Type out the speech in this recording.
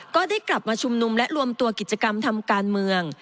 ก็ได้กลับมาชุมนุมและรวมตัวกิจกรรมทำการเมือง